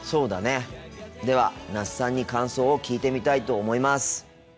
では那須さんに感想を聞いてみたいと思います。